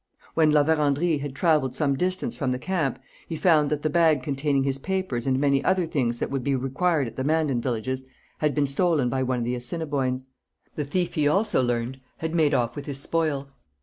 When La Vérendrye had travelled some distance from the camp, he found that the bag containing his papers and many other things that would be required at the Mandan villages had been stolen by one of the Assiniboines. The thief, he also learned, had made off with his spoil.